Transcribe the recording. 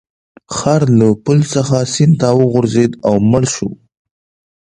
خر له پل څخه سیند ته وغورځید او مړ شو.